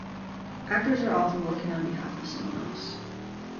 Actors are often working on behalf of someone else.